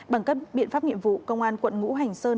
bằng các biện pháp nghiệp vụ công an quận ngũ hành sơn